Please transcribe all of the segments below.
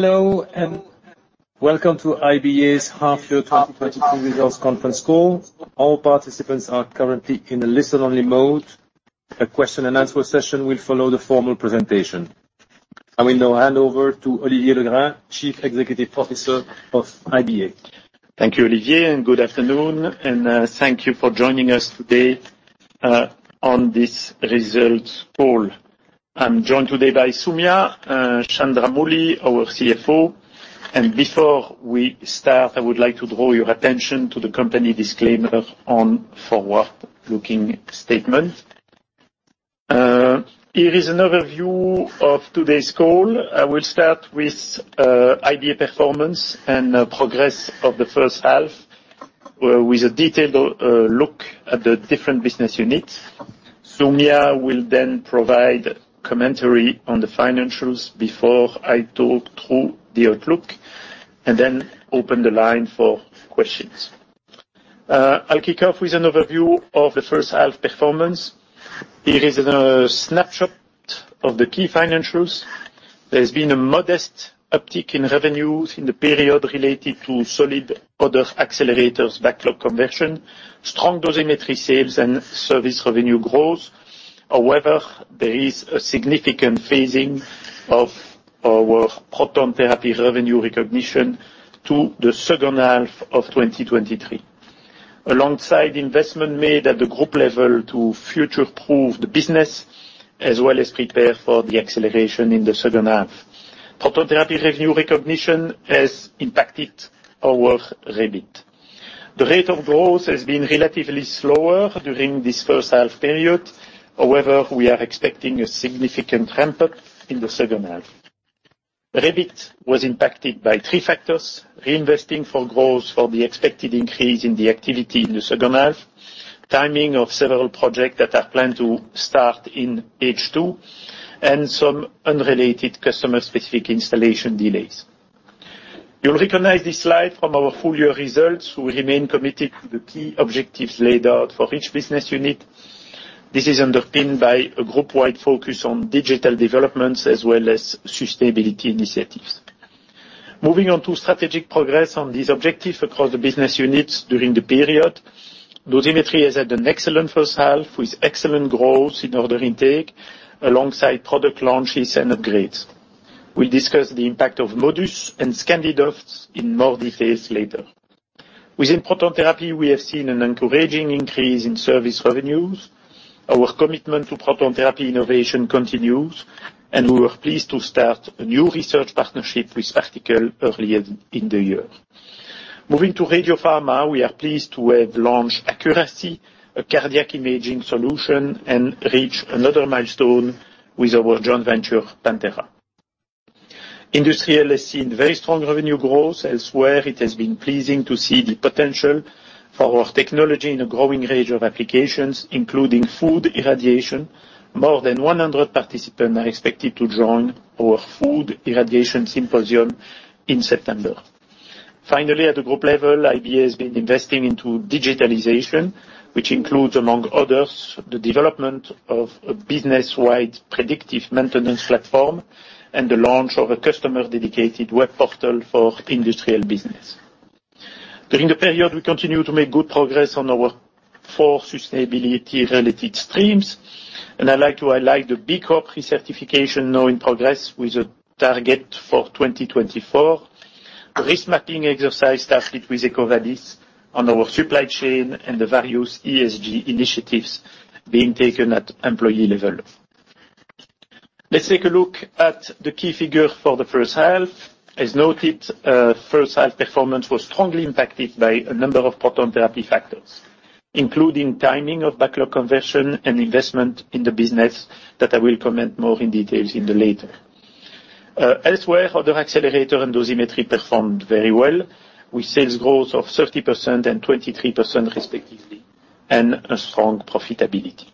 Hello, and welcome to IBA's half-year 2023 results conference call. All participants are currently in a listen-only mode. A question and answer session will follow the formal presentation. I will now hand over to Olivier Legrain, Chief Executive Officer of IBA. Thank you, Olivier, and good afternoon, and thank you for joining us today on this results call. I'm joined today by Soumya Chandramouli, our CFO. Before we start, I would like to draw your attention to the company disclaimer on forward-looking statement. Here is an overview of today's call. I will start with IBA performance and progress of the first half with a detailed look at the different business units. Soumya will then provide commentary on the financials before I talk through the outlook and then open the line for questions. I'll kick off with an overview of the first half performance. Here is a snapshot of the key financials. There's been a modest uptick in revenues in the period related to solid other accelerators, backlog conversion, strong dosimetry sales, and service revenue growth. However, there is a significant phasing of our proton therapy revenue recognition to the second half of 2023. Alongside investment made at the group level to future-proof the business, as well as prepare for the acceleration in the second half, proton therapy revenue recognition has impacted our REBIT. The rate of growth has been relatively slower during this first half period. However, we are expecting a significant ramp-up in the second half. REBIT was impacted by three factors: reinvesting for growth for the expected increase in the activity in the second half, timing of several projects that are planned to start in H2, and some unrelated customer-specific installation delays. You'll recognize this slide from our full year results. We remain committed to the key objectives laid out for each business unit. This is underpinned by a group-wide focus on digital developments as well as sustainability initiatives. Moving on to strategic progress on these objectives across the business units during the period, Dosimetry has had an excellent first half, with excellent growth in order intake, alongside product launches and upgrades. We'll discuss the impact of Modus and ScandiDos in more details later. Within proton therapy, we have seen an encouraging increase in service revenues. Our commitment to proton therapy innovation continues, and we were pleased to start a new research partnership with ParTICle earlier in the year. Moving to Radiopharma, we are pleased to have launched AKURACY, a cardiac imaging solution, and reach another milestone with our joint venture, PanTera. Industrial has seen very strong revenue growth. Elsewhere, it has been pleasing to see the potential for our technology in a growing range of applications, including food irradiation. More than 100 participants are expected to join our food irradiation symposium in September. Finally, at the group level, IBA has been investing into digitalization, which includes, among others, the development of a business-wide predictive maintenance platform and the launch of a customer-dedicated web portal for industrial business. During the period, we continued to make good progress on our four sustainability-related streams, and I'd like to highlight the B Corp recertification now in progress with a target for 2024, the risk-mapping exercise started with EcoVadis on our supply chain, and the various ESG initiatives being taken at employee level. Let's take a look at the key figures for the first half. As noted, first half performance was strongly impacted by a number of proton therapy factors, including timing of backlog conversion and investment in the business that I will comment more in details in the later. Elsewhere, other accelerator and dosimetry performed very well, with sales growth of 30% and 23%, respectively, and a strong profitability.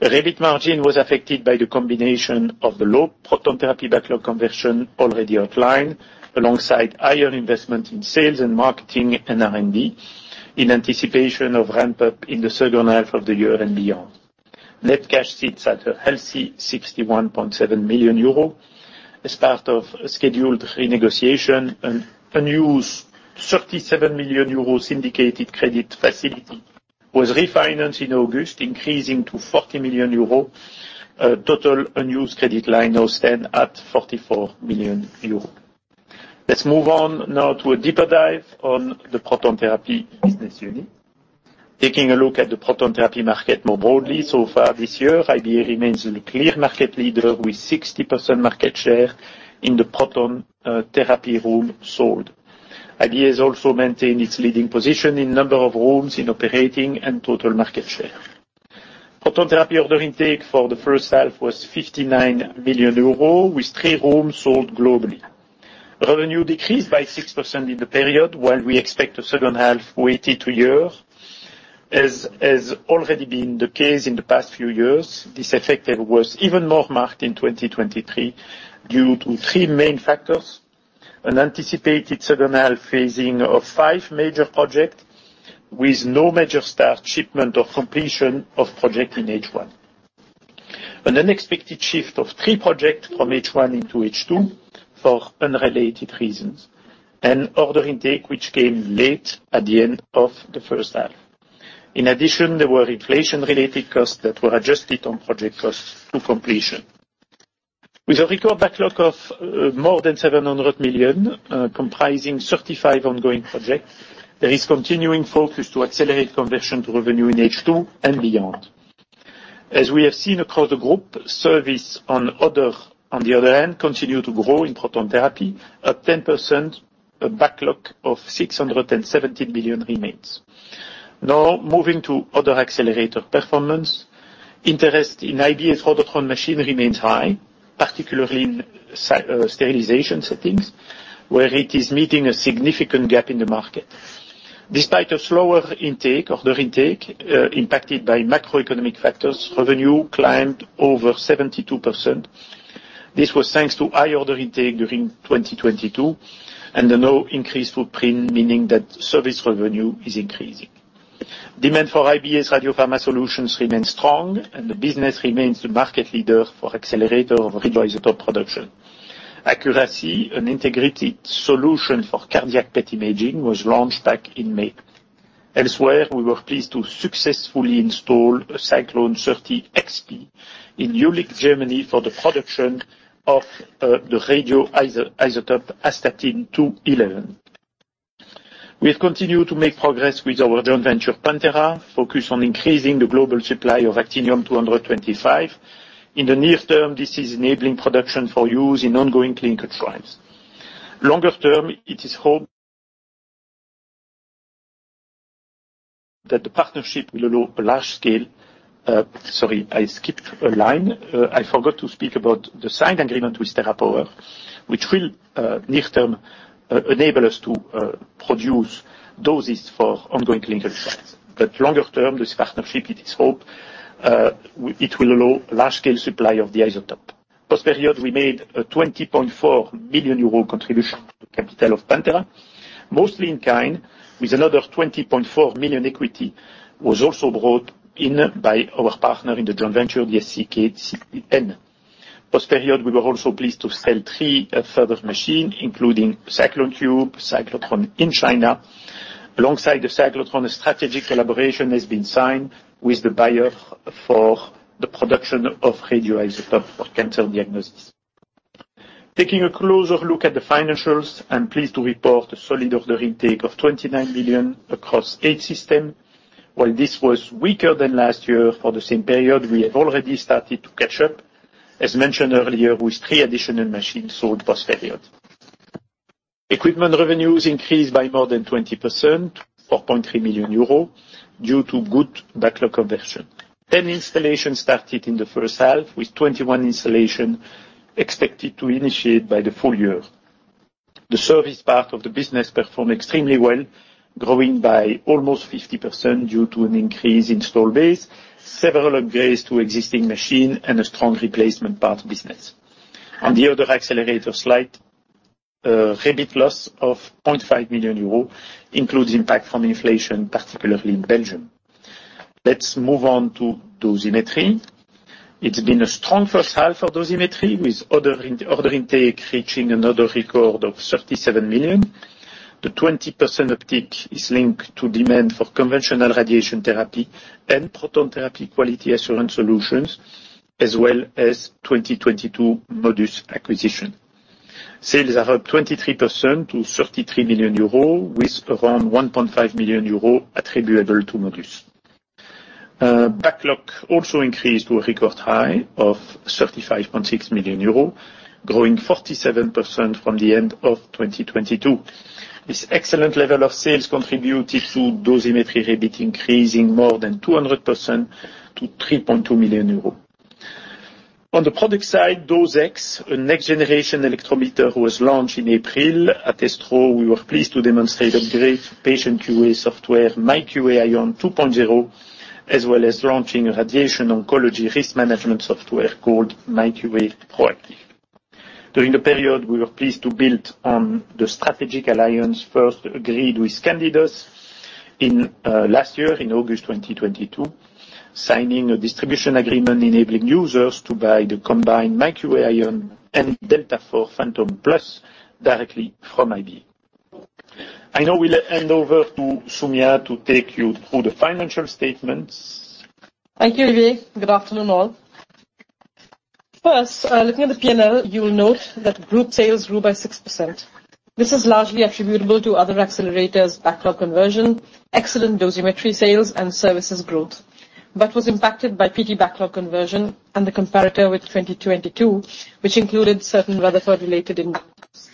REBIT margin was affected by the combination of the low proton therapy backlog conversion already outlined, alongside higher investment in sales and marketing and R&D, in anticipation of ramp-up in the second half of the year and beyond. Net cash sits at a healthy 61.7 million euro. As part of a scheduled renegotiation, an unused 37 million euro syndicated credit facility was refinanced in August, increasing to 40 million euro. A total unused credit line now stand at 44 million euro. Let's move on now to a deeper dive on the proton therapy business unit. Taking a look at the proton therapy market more broadly, so far this year, IBA remains the clear market leader, with 60% market share in the proton therapy room sold. IBA has also maintained its leading position in number of rooms in operating and total market share. Proton therapy order intake for the first half was 59 million euros, with 3 rooms sold globally. Revenue decreased by 6% in the period, while we expect a second half weighted to year. As already been the case in the past few years, this effect was even more marked in 2023 due to 3 main factors: an anticipated second half phasing of 5 major projects, with no major start, shipment, or completion of project in H1. An unexpected shift of 3 projects from H1 into H2 for unrelated reasons, and order intake, which came late at the end of the first half. In addition, there were inflation-related costs that were adjusted on project costs to completion. With a record backlog of more than 700 million, comprising 35 ongoing projects, there is continuing focus to accelerate conversion to revenue in H2 and beyond. As we have seen across the group, service, on the other hand, continue to grow in proton therapy. At 10%, a backlog of 670 million remains. Now, moving to other accelerator performance, interest in IBA's proton machine remains high, particularly in sterilization settings, where it is meeting a significant gap in the market. Despite a slower intake, order intake, impacted by macroeconomic factors, revenue climbed over 72%. This was thanks to high order intake during 2022, and the now increased footprint, meaning that service revenue is increasing. Demand for IBA's radiopharma solutions remains strong, and the business remains the market leader for accelerator of radioisotope production. AKURACY and INTEGRITY solution for cardiac PET imaging was launched back in May. Elsewhere, we were pleased to successfully install a Cyclone 30 XP in Jülich, Germany, for the production of the radioisotope astatine-211. We have continued to make progress with our joint venture, PanTera, focused on increasing the global supply of actinium-225. In the near term, this is enabling production for use in ongoing clinical trials. Longer term, it is hoped that the partnership will allow a large scale. I forgot to speak about the signed agreement with TerraPower, which will, near term, enable us to produce doses for ongoing clinical trials. But longer term, this partnership, it is hoped, it will allow large-scale supply of the isotope. First period, we made a 20.4 million euro contribution to the capital of PanTera, mostly in kind, with another 20.4 million equity, was also brought in by our partner in the joint venture, the SCK CEN. Post period, we were also pleased to sell three further machine, including Cyclone KIUBE, cyclotron in China. Alongside the cyclotron, a strategic collaboration has been signed with the buyer for the production of radioisotope for cancer diagnosis. Taking a closer look at the financials, I'm pleased to report a solid order intake of 29 million across eight system. While this was weaker than last year for the same period, we have already started to catch up, as mentioned earlier, with 3 additional machines sold post period. Equipment revenues increased by more than 20%, to 4.3 million euros, due to good backlog conversion. 10 installations started in the first half, with 21 installation expected to initiate by the full year. The service part of the business performed extremely well, growing by almost 50% due to an increase in install base, several upgrades to existing machine, and a strong replacement parts business. On the other accelerator slide, EBIT loss of 0.5 million euros includes impact from inflation, particularly in Belgium. Let's move on to Dosimetry. It's been a strong first half for Dosimetry, with order intake reaching another record of 37 million. The 20% uptick is linked to demand for conventional radiation therapy and proton therapy quality assurance solutions, as well as 2022 Modus acquisition. Sales are up 23% to 33 million euros, with around 1.5 million euros attributable to Modus. Backlog also increased to a record high of 35.6 million euro, growing 47% from the end of 2022. This excellent level of sales contributed to Dosimetry EBIT, increasing more than 200% to 3.2 million euros. On the product side, DOSE-X, a next generation electrometer, was launched in April. At ESTRO, we were pleased to demonstrate upgrade patient QA software, myQA iON 2.0, as well as launching a radiation oncology risk management software called myQA PROactive. During the period, we were pleased to build on the strategic alliance first agreed with ScandiDos in last year in August 2022, signing a distribution agreement enabling users to buy the combined my QA iON and Delta4 Phantom+ directly from IBA. I now will hand over to Soumya to take you through the financial statements. Thank you, Olivier. Good afternoon, all. First, looking at the P&L, you will note that group sales grew by 6%. This is largely attributable to other accelerators, backlog conversion, excellent Dosimetry sales, and services growth, but was impacted by PT backlog conversion and the comparator with 2022, which included certain Rutherford-related incomes.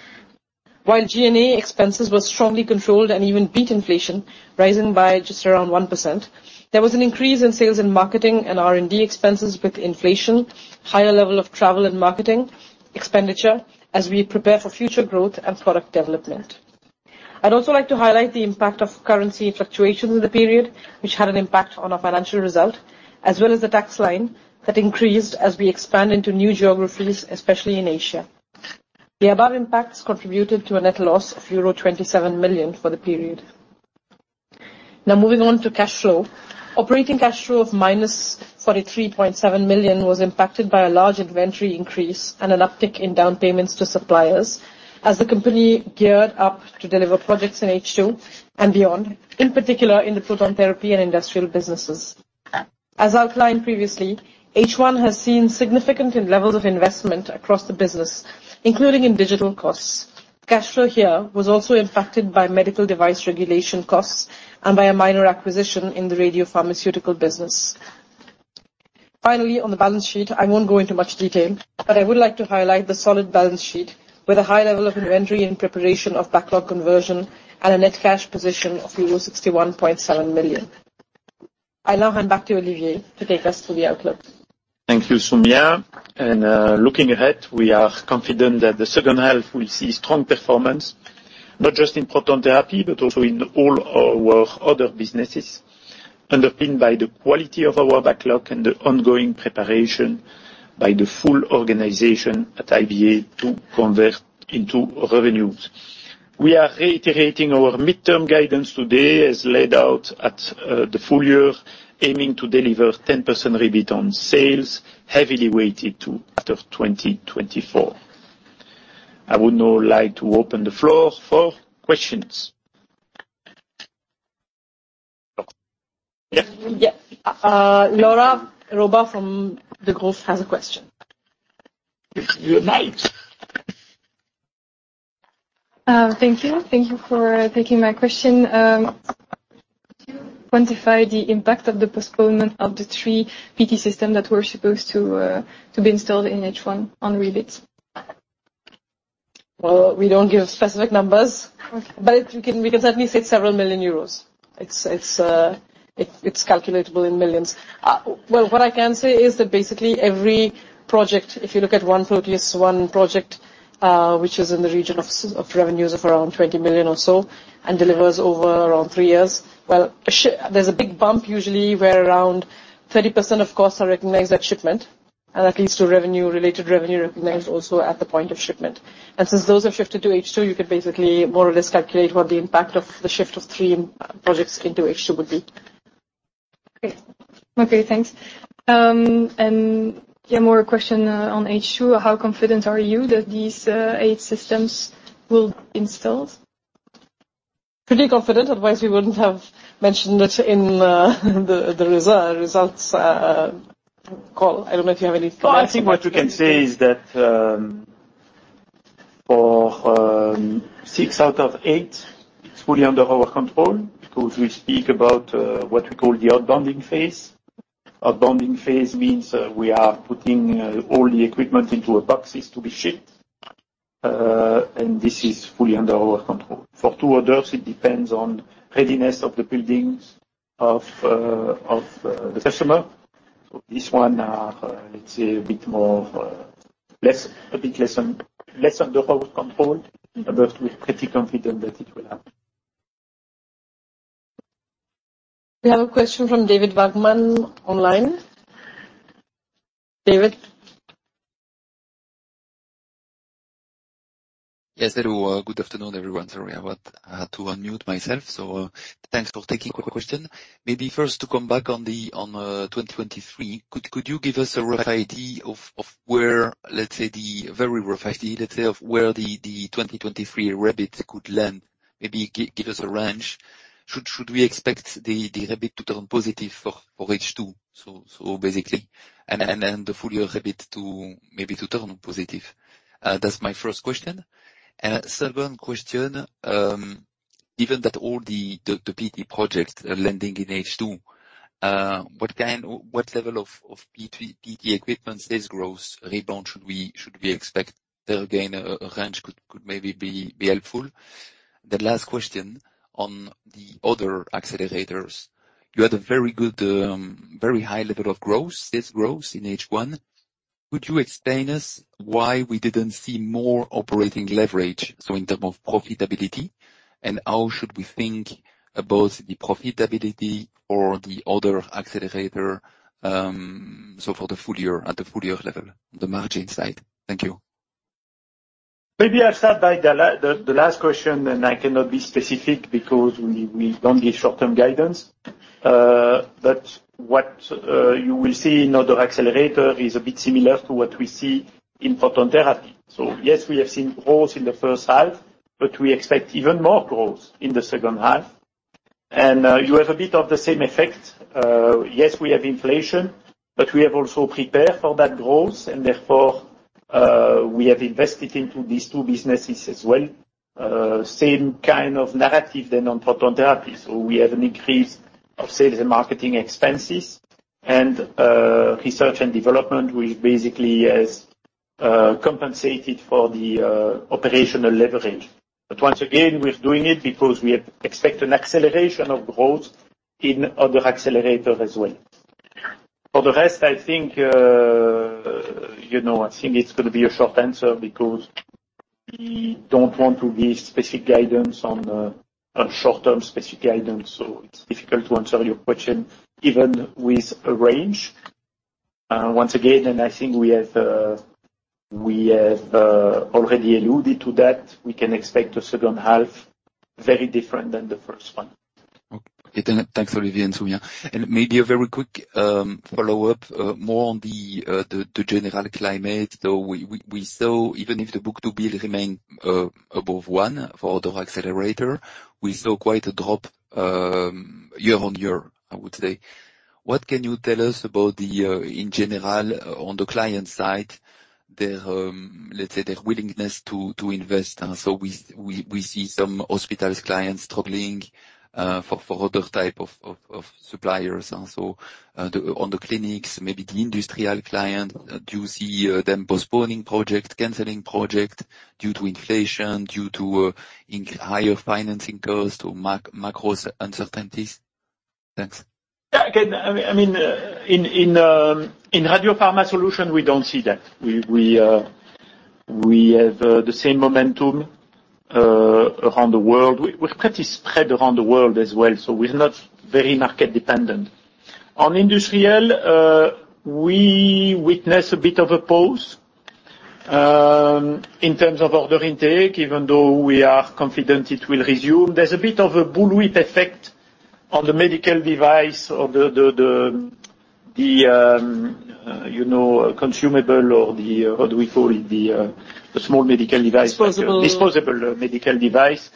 While G&A expenses were strongly controlled and even beat inflation, rising by just around 1%, there was an increase in sales in marketing and R&D expenses with inflation, higher level of travel and marketing, expenditure, as we prepare for future growth and product development. I'd also like to highlight the impact of currency fluctuations in the period, which had an impact on our financial result, as well as the tax line that increased as we expand into new geographies, especially in Asia. The above impacts contributed to a net loss of euro 27 million for the period. Now moving on to cash flow. Operating cash flow of -43.7 million was impacted by a large inventory increase and an uptick in down payments to suppliers, as the company geared up to deliver projects in H2 and beyond, in particular, in the proton therapy and industrial businesses. As outlined previously, H1 has seen significant levels of investment across the business, including in digital costs. Cash flow here was also impacted by medical device regulation costs and by a minor acquisition in the radiopharmaceutical business. Finally, on the balance sheet, I won't go into much detail, but I would like to highlight the solid balance sheet with a high level of inventory in preparation of backlog conversion and a net cash position of euro 61.7 million. I now hand back to Olivier to take us to the outlook. Thank you, Soumya, and looking ahead, we are confident that the second half will see strong performance, not just in proton therapy, but also in all our other businesses, underpinned by the quality of our backlog and the ongoing preparation by the full organization at IBA to convert into revenues. We are reiterating our midterm guidance today, as laid out at the full year, aiming to deliver 10% REBIT on sales, heavily weighted to after 2024. I would now like to open the floor for questions. Yes? Yeah. Laura Roba from the Gulf has a question. You're live. Thank you. Thank you for taking my question. Could you quantify the impact of the postponement of the three PT system that were supposed to to be installed in H1 on REBITs? Well, we don't give specific numbers- Okay. but we can certainly say several million EUR. It's calculatable in millions. Well, what I can say is that basically every project, if you look at one Proteus, one project, which is in the region of revenues of around 20 million EUR or so, and delivers over around 3 years, well, there's a big bump usually where around 30% of costs are recognized at shipment, and that leads to revenue, related revenue recognized also at the point of shipment. And since those are shifted to H2, you can basically more or less calculate what the impact of the shift of 3 projects into H2 would be. Great. Okay, thanks. And yeah, more question on H2. How confident are you that these eight systems will be installed? Pretty confident, otherwise, we wouldn't have mentioned it in the results call. I don't know if you have any comments. Well, I think what you can say is that for 6 out of 8, it's fully under our control, because we speak about what we call the outbounding phase. Outbounding phase means we are putting all the equipment into boxes to be shipped, and this is fully under our control. For 2 others, it depends on readiness of the buildings of the customer. So this one are, let's say a bit less under our control. Mm-hmm. but we're pretty confident that it will happen. We have a question from David Vagman online. David? Yes, hello. Good afternoon, everyone. Sorry, I want to unmute myself, so thanks for taking my question. Maybe first to come back on the 2023, could you give us a rough idea of where, let's say, the very rough idea, let's say, of where the 2023 rebids could land? Maybe give us a range. Should we expect the rebid to turn positive for H2, so basically, and the full year rebid to maybe turn positive? That's my first question. And second question, given that all the PT projects are landing in H2, what kind, what level of PT equipment sales growth rebound should we expect? Again, a range could maybe be helpful. The last question on the other accelerators. You had a very good, very high level of growth, sales growth, in H1. Could you explain us why we didn't see more operating leverage, so in terms of profitability, and how should we think about the profitability or the other accelerator, so for the full year, at the full year level, the margin side? Thank you. Maybe I'll start by the last question, and I cannot be specific because we don't give short-term guidance. But what you will see in other accelerator is a bit similar to what we see in photon therapy. So yes, we have seen growth in the first half, but we expect even more growth in the second half. And you have a bit of the same effect. Yes, we have inflation, but we have also prepared for that growth, and therefore we have invested into these two businesses as well. Same kind of narrative than on proton therapy. So we have an increase of sales and marketing expenses, and research and development, which basically has compensated for the operational leverage. But once again, we're doing it because we expect an acceleration of growth in other accelerator as well. For the rest, I think, you know, I think it's going to be a short answer because we don't want to give specific guidance on short-term specific guidance, so it's difficult to answer your question, even with a range. Once again, and I think we have already alluded to that, we can expect the second half very different than the first one. Okay, thanks, Olivier and Soumya. And maybe a very quick follow-up, more on the general climate, though we saw, even if the book-to-bill remain above 1 for Other Accelerators, we saw quite a drop year-over-year, I would say. What can you tell us about, in general, on the client side, their let's say, their willingness to invest? And so we see some hospitals, clients struggling for other type of suppliers also, then on the clinics, maybe the industrial client. Do you see them postponing project, canceling project due to inflation, due to higher financing cost or macro uncertainties? Thanks. Yeah, again, I mean, in radiopharma solution, we don't see that. We have the same momentum around the world. We're pretty spread around the world as well, so we're not very market dependent. On industrial, we witness a bit of a pause in terms of order intake, even though we are confident it will resume. There's a bit of a bullwhip effect on the medical device of the consumable or the, what do we call it? The small medical device- Disposable. Disposable medical device,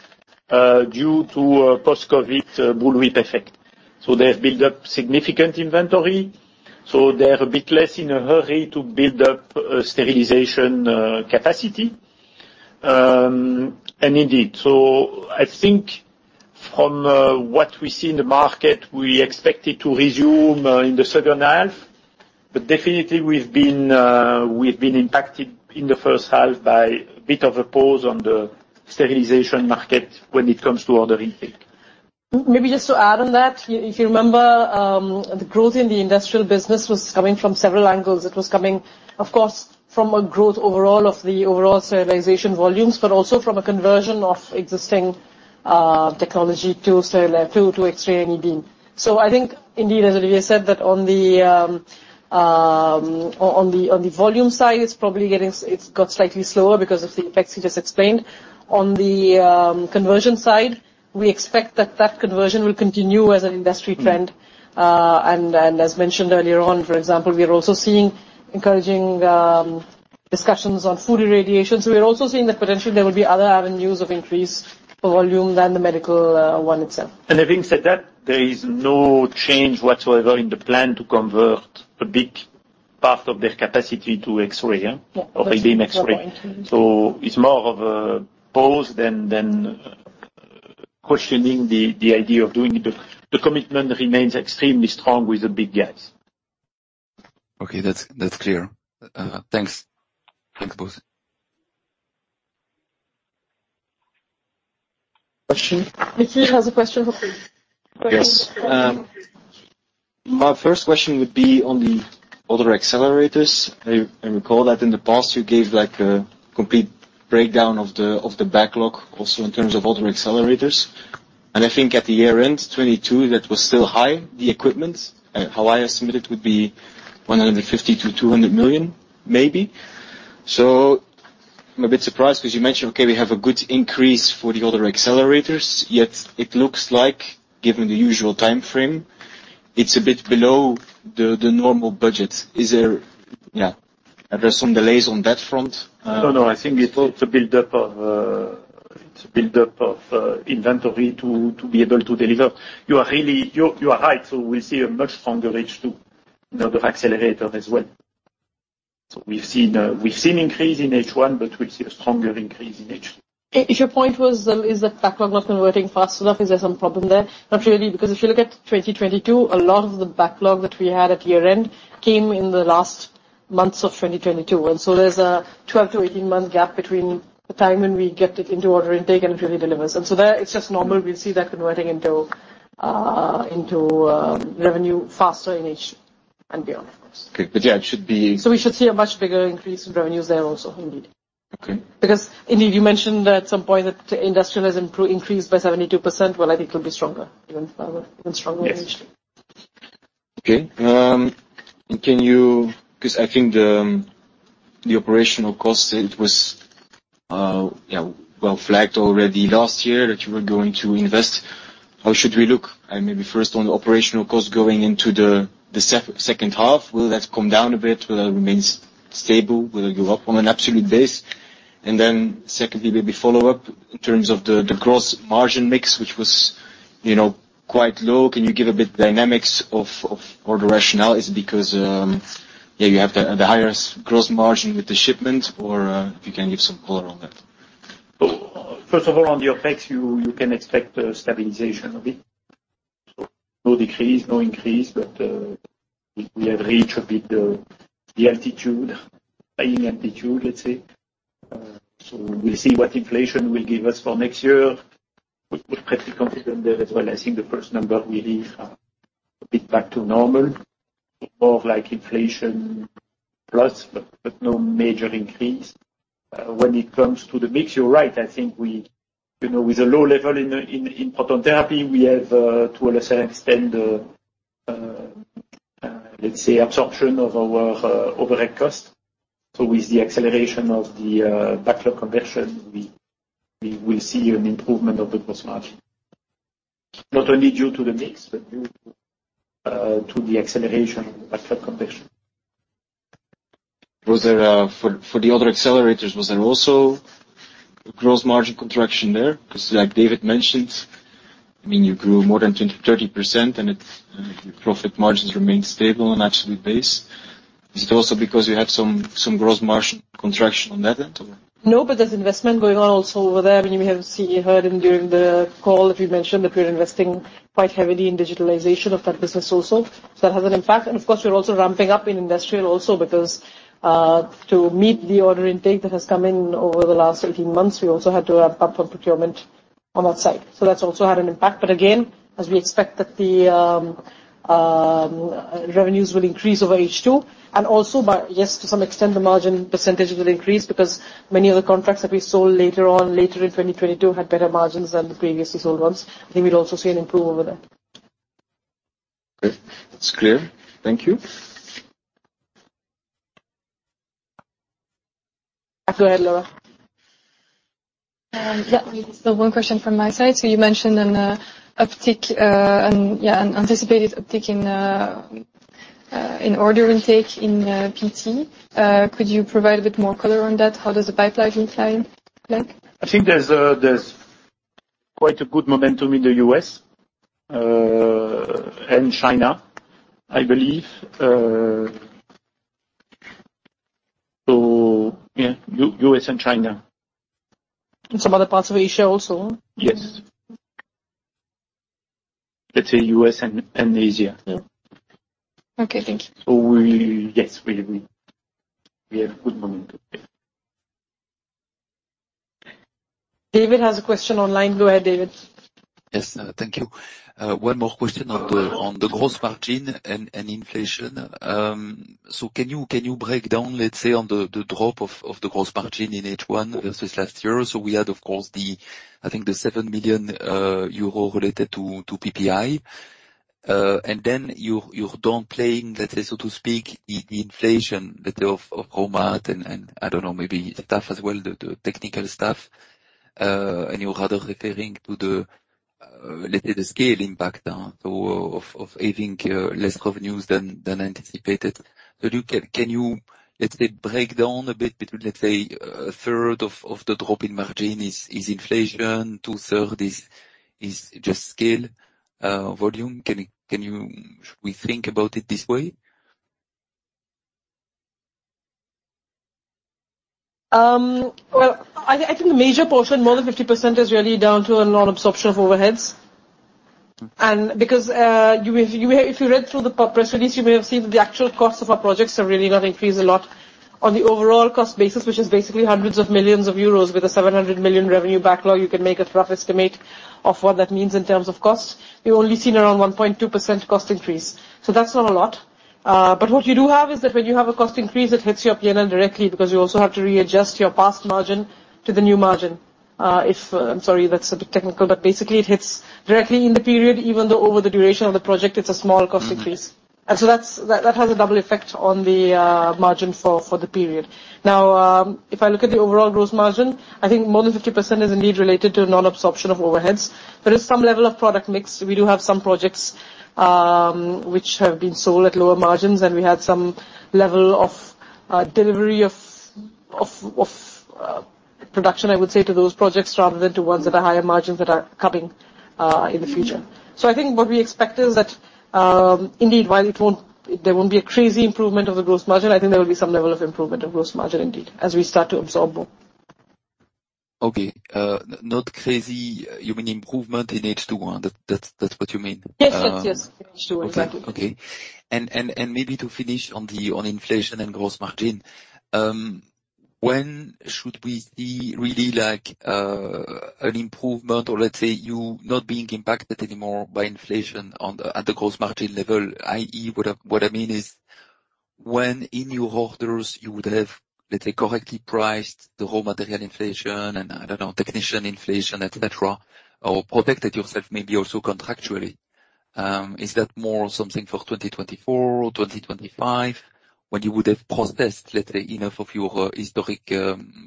due to post-COVID bullwhip effect. So they have built up significant inventory, so they are a bit less in a hurry to build up sterilization capacity. And indeed, so I think from what we see in the market, we expect it to resume in the second half, but definitely we've been impacted in the first half by a bit of a pause on the sterilization market when it comes to order intake. Maybe just to add on that, if you remember, the growth in the industrial business was coming from several angles. It was coming, of course, from a growth overall of the overall sterilization volumes, but also from a conversion of existing technology to X-ray and E-beam. So I think indeed, as Olivier said, that on the volume side, it's probably getting... It's got slightly slower because of the effects he just explained. On the conversion side, we expect that that conversion will continue as an industry trend. Mm. As mentioned earlier on, for example, we are also seeing encouraging discussions on food irradiation. So we're also seeing that potentially there will be other avenues of increased volume than the medical one itself. Having said that, there is no change whatsoever in the plan to convert a big part of their capacity to X-ray, yeah? Yeah. Or E-beam X-ray. So it's more of a pause than questioning the idea of doing it, but the commitment remains extremely strong with the big guys. Okay, that's, that's clear. Thanks. Thanks, both. Question? Nikki has a question for you. Yes. My first question would be on the other accelerators. I recall that in the past, you gave, like, a complete breakdown of the backlog also in terms of other accelerators. And I think at the year-end 2022, that was still high, the equipment. How I estimate it would be 150 million-200 million, maybe. So I'm a bit surprised because you mentioned, okay, we have a good increase for the other accelerators, yet it looks like, given the usual timeframe, it's a bit below the normal budget. Is there... Yeah. Are there some delays on that front? No, no, I think it's all to build up of inventory to be able to deliver. You are really... You, you are right, so we see a much stronger H2 in Other Accelerators as well. So we've seen, we've seen increase in H1, but we'll see a stronger increase in H2. If your point was, is the backlog not converting fast enough, is there some problem there? Not really, because if you look at 2022, a lot of the backlog that we had at year end came in the last months of 2022. And so there's a 12-18-month gap between the time when we get it into order intake and it really delivers. And so there, it's just normal. We'll see that converting into revenue faster in H2 and beyond, of course. Okay. But yeah, it should be- We should see a much bigger increase in revenues there also, indeed. Okay. Because indeed, you mentioned that at some point, that industrial has improved, increased by 72%. Well, I think it will be stronger, even stronger- Yes. Even stronger. Okay. And can you... Because I think the operational cost, it was, yeah, well flagged already last year that you were going to invest. How should we look? And maybe first on the operational cost, going into the second half, will that come down a bit? Will it remain stable? Will it go up on an absolute basis? And then secondly, maybe follow up in terms of the gross margin mix, which was, you know, quite low. Can you give a bit dynamics of, or the rationale? Is it because, yeah, you have the highest gross margin with the shipment, or, if you can give some color on that. First of all, on the OpEx, you can expect a stabilization of it. So no decrease, no increase, but we have reached a bit the altitude, paying altitude, let's say. So we'll see what inflation will give us for next year. We're pretty confident there as well. I think the first number will be a bit back to normal, more of like inflation plus, but no major increase. When it comes to the mix, you're right. I think we, you know, with a low level in proton therapy, we have to a certain extent, let's say, absorption of our overhead cost. So with the acceleration of the backlog conversion, we will see an improvement of the gross margin. Not only due to the mix, but due to the acceleration of the backlog conversion. Was there for the other accelerators, was there also a gross margin contraction there? 'Cause like David mentioned, I mean, you grew more than 20%-30%, and it's your profit margins remained stable on an absolute base. Is it also because you had some gross margin contraction on that end, or? No, but there's investment going on also over there. I mean, we have seen and heard during the call that we mentioned that we're investing quite heavily in digitization of that business also. So that has an impact, and of course, we're also ramping up in industrial also, because to meet the order intake that has come in over the last 18 months, we also had to up our procurement on that side. So that's also had an impact, but again, as we expect that the revenues will increase over H2, and also, yes, to some extent, the margin percentage will increase, because many of the contracts that we sold later on, later in 2022 had better margins than the previously sold ones. I think we'll also see an improvement over there. Okay. It's clear. Thank you. Go ahead, Laura. Yeah, still one question from my side. So you mentioned an uptick and yeah, an anticipated uptick in order intake in PT. Could you provide a bit more color on that? How does the pipeline look like, like? I think there's quite a good momentum in the U.S. and China, I believe. So yeah, U.S. and China. Some other parts of Asia also. Yes. Let's say US and Asia, yeah. Okay, thank you. So, yes, we have good momentum. David has a question online. Go ahead, David. Yes, thank you. One more question on the gross margin and inflation. So can you break down, let's say, the drop of the gross margin in H1 versus last year? So we had, of course, the, I think, the 7 million euro related to PPI. And then you don't play in, let's say, so to speak, in inflation, let's say, of raw mat and I don't know, maybe staff as well, the technical staff, and you're rather referring to the, let's say, the scale impact, so of having less revenues than anticipated. So can you break down a bit between, let's say, a third of the drop in margin is inflation, two-thirds is just scale, volume? We think about it this way? Well, I think the major portion, more than 50%, is really down to a non-absorption of overheads. Mm. Because you, if you read through the press release, you may have seen that the actual cost of our projects have really not increased a lot. On the overall cost basis, which is basically hundreds of millions EUR, with a 700 million EUR revenue backlog, you can make a rough estimate of what that means in terms of cost. We've only seen around 1.2% cost increase, so that's not a lot. But what you do have is that when you have a cost increase, it hits your P&L directly, because you also have to readjust your past margin to the new margin. If... I'm sorry, that's a bit technical, but basically, it hits directly in the period, even though over the duration of the project, it's a small cost increase. Mm-hmm. So that's that has a double effect on the margin for the period. Now, if I look at the overall gross margin, I think more than 50% is indeed related to non-absorption of overheads. There is some level of product mix. We do have some projects, which have been sold at lower margins, and we had some level of delivery of production, I would say, to those projects, rather than- Mm... to ones at a higher margins that are coming, in the future. So I think what we expect is that, indeed, while it won't, there won't be a crazy improvement of the gross margin, I think there will be some level of improvement of gross margin indeed, as we start to absorb more. Okay, not crazy, you mean improvement in H2, that, that's what you mean? Yes, yes, yes. Sure. Okay, okay. And maybe to finish on the inflation and gross margin, when should we see really, like, an improvement or, let's say, you not being impacted anymore by inflation at the gross margin level, i.e., what I mean is, when in your orders you would have, let's say, correctly priced the raw material inflation and, I don't know, technician inflation, et cetera, or protected yourself maybe also contractually, is that more something for 2024 or 2025, when you would have processed, let's say, enough of your historic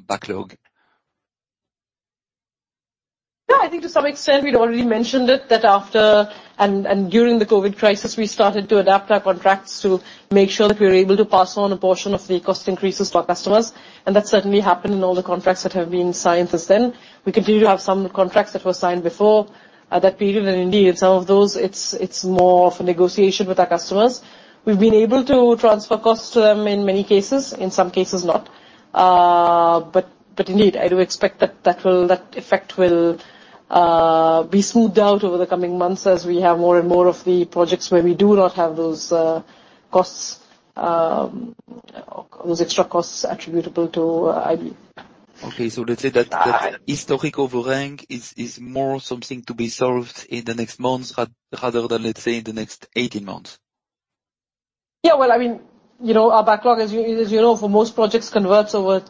backlog? Yeah, I think to some extent, we'd already mentioned it, that after and during the COVID crisis, we started to adapt our contracts to make sure that we're able to pass on a portion of the cost increases to our customers, and that certainly happened in all the contracts that have been signed since then. We continue to have some contracts that were signed before that period, and indeed, some of those, it's more of a negotiation with our customers. We've been able to transfer costs to them in many cases, in some cases not. But indeed, I do expect that that will, that effect will be smoothed out over the coming months as we have more and more of the projects where we do not have those costs, those extra costs attributable to I-... Okay, so let's say that historic over rank is more something to be solved in the next months, rather than, let's say, in the next 18 months? Yeah, well, I mean, you know, our backlog, as you, as you know, for most projects, converts over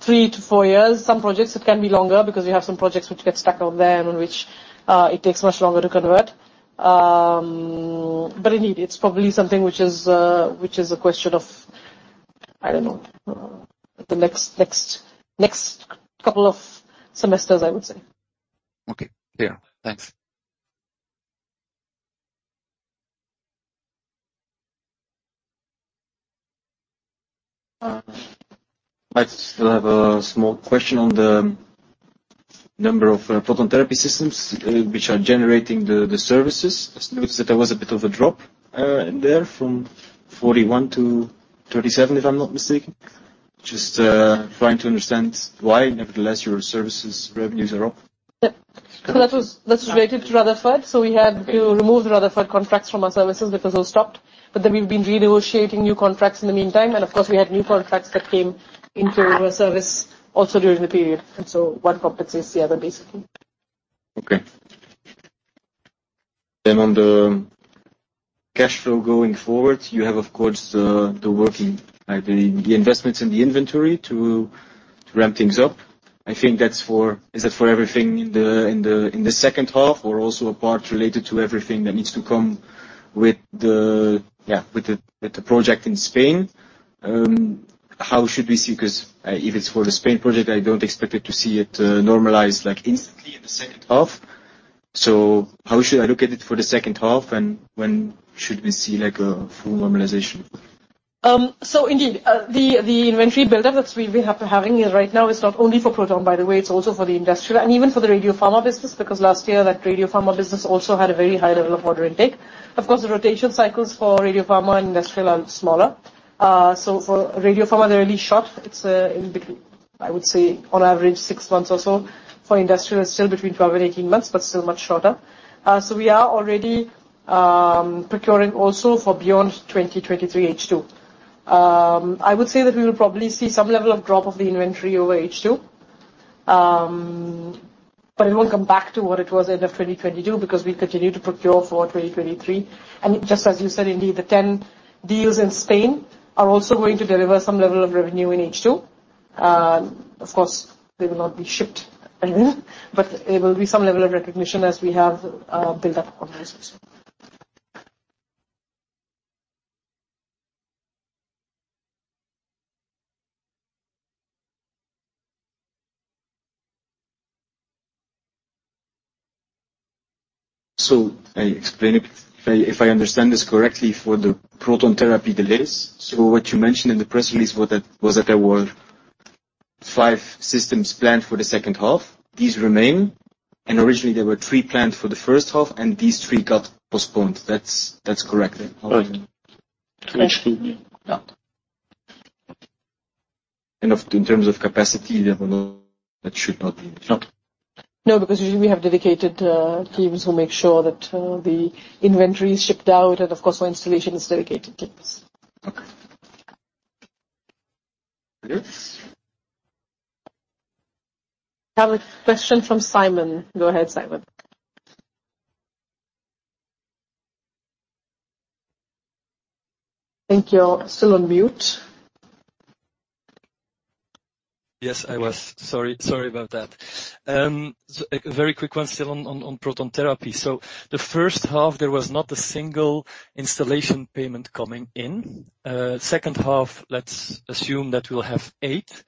3-4 years. Some projects it can be longer because you have some projects which get stuck on there, and which, it takes much longer to convert. But indeed, it's probably something which is, which is a question of, I don't know, the next couple of semesters, I would say. Okay, clear. Thanks. I just have a small question on the number of proton therapy systems which are generating the services. I noticed that there was a bit of a drop in there, from 41 to 37, if I'm not mistaken. Just trying to understand why, nevertheless, your services revenues are up? Yep. So that was, that's related to Rutherford. So we had to remove the Rutherford contracts from our services because those stopped. But then we've been renegotiating new contracts in the meantime, and of course, we had new contracts that came into our service also during the period, and so one compensates the other, basically. Okay. Then on the cash flow going forward, you have, of course, the working, like the investments in the inventory to ramp things up. I think that's for... Is that for everything in the second half, or also a part related to everything that needs to come with the- yeah, with the project in Spain? How should we see? 'Cause, if it's for the Spain project, I don't expect it to see it normalized, like, instantly in the second half. So how should I look at it for the second half, and when should we see, like, a full normalization? So indeed, the inventory buildup that we have right now is not only for proton, by the way, it's also for the industrial and even for the radiopharma business, because last year, that radiopharma business also had a very high level of order intake. Of course, the rotation cycles for radiopharma and industrial are smaller. So for radiopharma, they're really short. It's in between, I would say on average, six months or so. For industrial, it's still between 12 and 18 months, but still much shorter. So we are already procuring also for beyond 2023 H2. I would say that we will probably see some level of drop of the inventory over H2, but it won't come back to what it was end of 2022, because we continue to procure for 2023. Just as you said, indeed, the 10 deals in Spain are also going to deliver some level of revenue in H2. Of course, they will not be shipped, but there will be some level of recognition as we have built up on those also. So, I explain it. If I understand this correctly, for the proton therapy delays, what you mentioned in the press release was that there were 5 systems planned for the second half. These remain, and originally there were 3 planned for the first half, and these 3 got postponed. That's correct, then? Right. Correct. Yeah. And in terms of capacity, that should not be... No? No, because usually we have dedicated teams who make sure that the inventory is shipped out, and of course, our installation is dedicated teams. Okay. Thanks. I have a question from Simon. Go ahead, Simon. Thank you. You're still on mute. Yes, I was. Sorry, sorry about that. So a very quick one, still on proton therapy. So the first half, there was not a single installation payment coming in. Second half, let's assume that we'll have 8.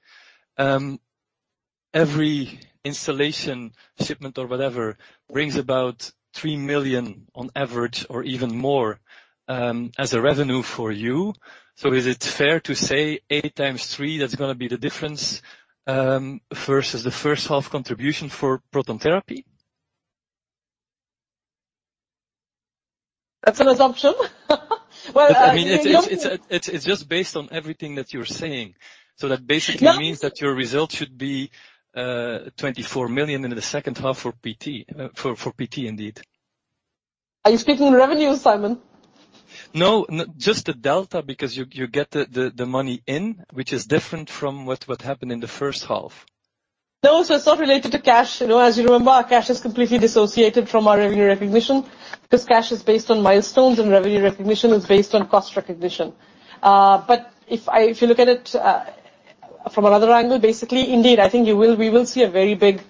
Every installation, shipment, or whatever, brings about 3 million on average or even more, as a revenue for you. So is it fair to say 8 times 3, that's gonna be the difference versus the first half contribution for proton therapy? That's an assumption. Well, I mean, it's just based on everything that you're saying. Yeah. So that basically means that your result should be 24 million in the second half for PT, for PT, indeed. Are you speaking in revenue, Simon? No, just the delta, because you get the money in, which is different from what happened in the first half. No, so it's not related to cash. You know, as you remember, our cash is completely dissociated from our revenue recognition, because cash is based on milestones, and revenue recognition is based on cost recognition. But if you look at it from another angle, basically, indeed, I think we will see a very big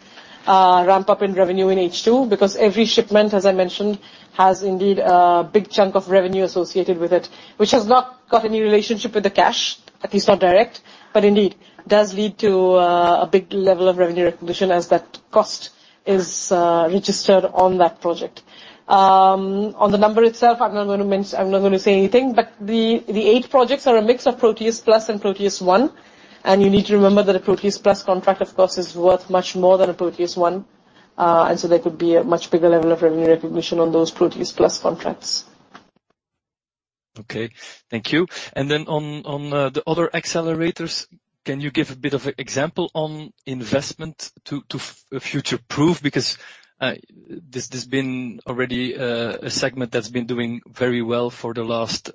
ramp-up in revenue in H2, because every shipment, as I mentioned, has indeed a big chunk of revenue associated with it, which has not got any relationship with the cash, at least not direct, but indeed, does lead to a big level of revenue recognition as that cost is registered on that project. On the number itself, I'm not gonna say anything, but the eight projects are a mix of Proteus PLUS and Proteus ONE, and you need to remember that a Proteus PLUS contract, of course, is worth much more than a Proteus ONE. And so there could be a much bigger level of revenue recognition on those Proteus PLUS contracts.... Okay, thank you. And then on the other accelerators, can you give a bit of a example on investment to future-proof? Because this been already a segment that's been doing very well for the last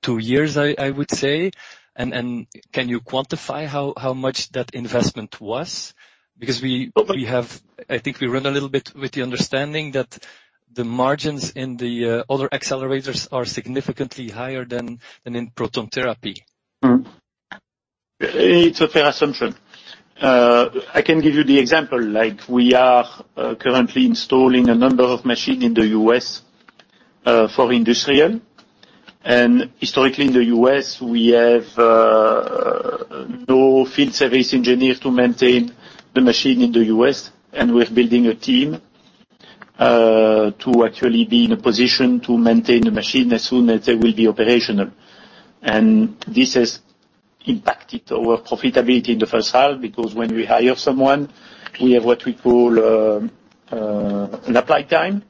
two years, I would say. And can you quantify how much that investment was? Because we- Oh, but- I think we read a little bit with the understanding that the margins in the other accelerators are significantly higher than in proton therapy. Mm-hmm. It's a fair assumption. I can give you the example, like, we are currently installing a number of machine in the US, for industrial. And historically, in the US, we have no field service engineer to maintain the machine in the US, and we're building a team to actually be in a position to maintain the machine as soon as they will be operational. And this has impacted our profitability in the first half, because when we hire someone, we have what we call an apply time,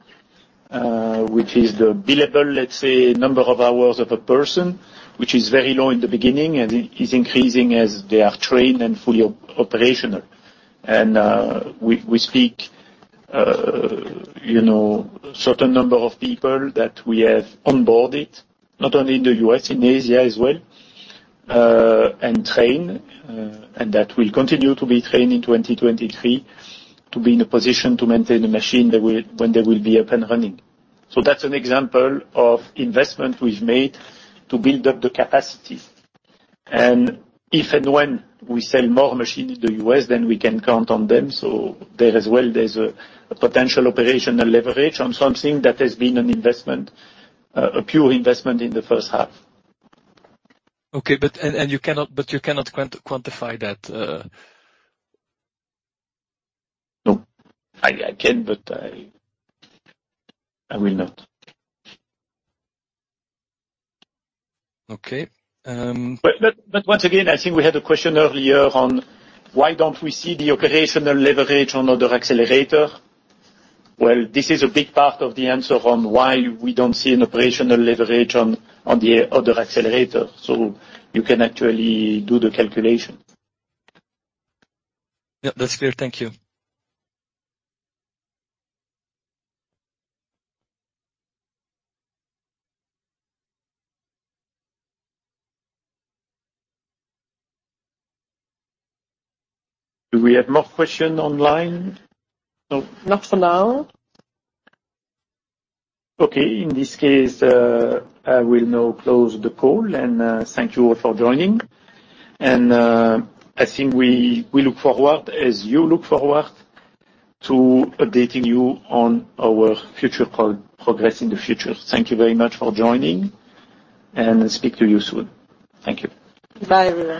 which is the billable, let's say, number of hours of a person, which is very low in the beginning, and it is increasing as they are trained and fully operational. And we speak, you know, certain number of people that we have onboarded, not only in the US, in Asia as well, and train, and that will continue to be trained in 2023, to be in a position to maintain the machine that will—when they will be up and running. So that's an example of investment we've made to build up the capacity. And if and when we sell more machines in the US, then we can count on them, so there as well, there's a potential operational leverage on something that has been an investment, a pure investment in the first half. Okay, but you cannot quantify that? No. I can, but I will not. Okay, um- But once again, I think we had a question earlier on, why don't we see the operational leverage on other accelerator? Well, this is a big part of the answer on why we don't see an operational leverage on the other accelerator, so you can actually do the calculation. Yeah, that's clear. Thank you. Do we have more question online? No, not for now. Okay, in this case, I will now close the call, and thank you all for joining. I think we look forward, as you look forward, to updating you on our future progress in the future. Thank you very much for joining, and speak to you soon. Thank you. Bye, everyone.